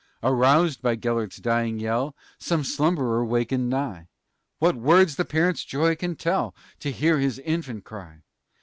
Aroused by Gelert's dying yell, Some slumberer wakened nigh; What words the parent's joy can tell To hear his infant cry!